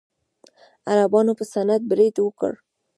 عربانو په سند برید وکړ.